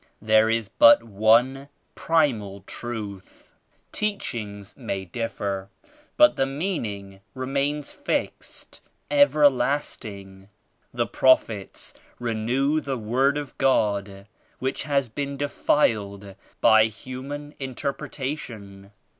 There is but One Primal Truth. Teachings may differ but the meaning remains fixed, everlasting. The Prophets renew die Word of God which has been defiled by human interpretation.